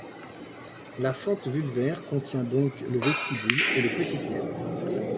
La fente vulvaire contient donc le vestibule et les petites lèvres.